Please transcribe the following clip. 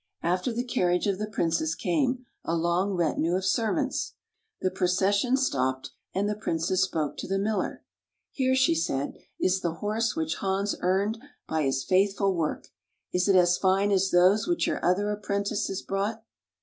After the carriage of the Princess came a long retinue of servants. The procession stopped, and the Princess spoke to the Miller. " Here," she said, is the horse which Hans earned by his faithful work. Is it as fine as those which your other apprentices brought?"